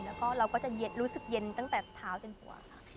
แล้วก็เราก็จะเย็นรู้สึกเย็นตั้งแต่เท้าจนหัวค่ะ